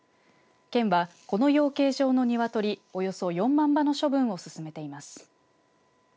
県は、この養鶏場の鶏およそ４万羽の処分を進めています。